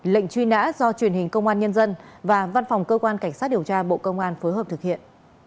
lệnh truy nã do truyền hình công an nhân dân và văn phòng cơ quan cảnh sát điều tra bộ công an phối hợp thực hiện